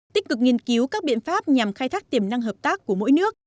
tích cực nghiên cứu các biện pháp nhằm khai thác tiềm năng hợp tác của mỗi nước